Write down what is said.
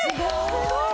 すごーい